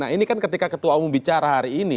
nah ini kan ketika ketua umum bicara hari ini